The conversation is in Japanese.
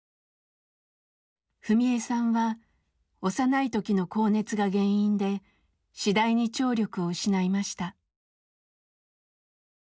史恵さんは幼い時の高熱が原因で次第に聴力を失いました。